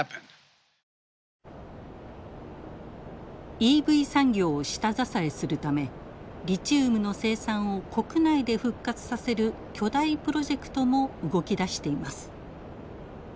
ＥＶ産業を下支えするためリチウムの生産を国内で復活させる巨大プロジェクトも動き出しています。